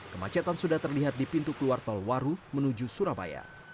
kemacetan sudah terlihat di pintu keluar tol waru menuju surabaya